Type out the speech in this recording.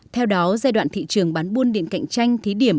theo đó giai đoạn thị trường bán buôn điện cạnh tranh thí điểm